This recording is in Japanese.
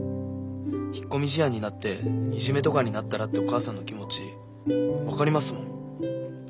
引っ込み思案になっていじめとかになったらってお母さんの気持ち分かりますもん。